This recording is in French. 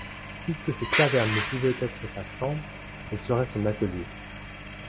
Puisque cette caverne ne pouvait être sa chambre, elle serait son atelier.